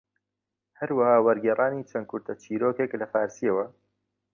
هەروەها وەرگێڕانی چەند کورتە چیرۆک لە فارسییەوە